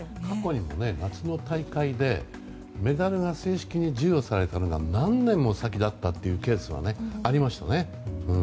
過去にも夏の大会でメダルが正式に授与されたのが何年も先だったというケースもありましたね。